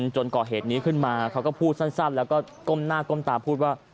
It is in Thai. จนก่อเหตุนี้ขึ้นมาเขาก็พูดสั้นแล้วก็ก้มหน้าก้มตาพูดว่า